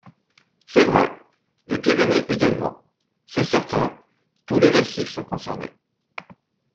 C’est vrai ! Les Pyrénées également ! C’est certain : tous les massifs sont concernés.